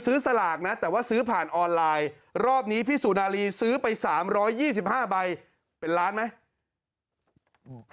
สลากนะแต่ว่าซื้อผ่านออนไลน์รอบนี้พี่สุนารีซื้อไป๓๒๕ใบเป็นล้านไหม